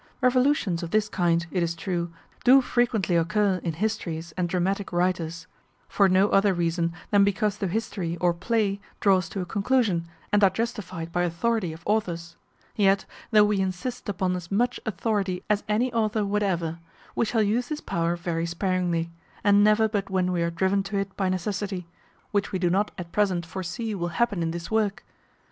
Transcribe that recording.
Revolutions of this kind, it is true, do frequently occur in histories and dramatic writers, for no other reason than because the history or play draws to a conclusion, and are justified by authority of authors; yet, though we insist upon as much authority as any author whatever, we shall use this power very sparingly, and never but when we are driven to it by necessity, which we do not at present foresee will happen in this work.